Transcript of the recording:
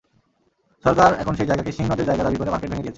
সরকার এখন সেই জায়গাকে শিং নদের জায়গা দাবি করে মার্কেট ভেঙে দিয়েছে।